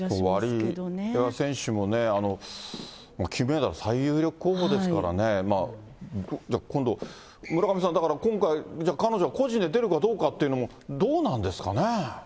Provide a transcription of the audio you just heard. ワリエワ選手もね、金メダル最有力候補ですからね、今度、村上さん、だから、今回、じゃあ、彼女、個人で出るかどうかというのも、どうなんですかね。